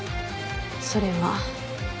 それは。